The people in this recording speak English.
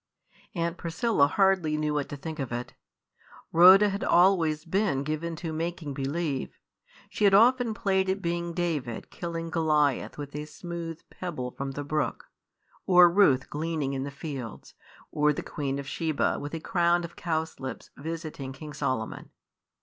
Aunt Priscilla hardly knew what to think of it. Rhoda had always been given to "making believe." She had often played at being David killing Goliath with a smooth pebble from the brook, or Ruth gleaning in the fields, or the Queen of Sheba, with a crown of cowslips, visiting King Solomon.